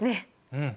うん。